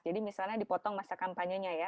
jadi misalnya dipotong masa kampanye nya ya